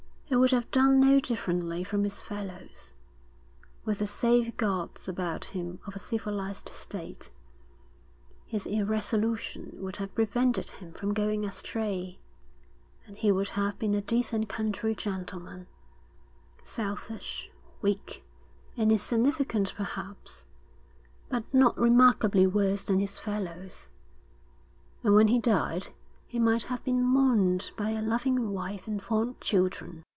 He would have done no differently from his fellows. With the safeguards about him of a civilised state, his irresolution would have prevented him from going astray; and he would have been a decent country gentleman selfish, weak, and insignificant perhaps, but not remarkably worse than his fellows and when he died he might have been mourned by a loving wife and fond children.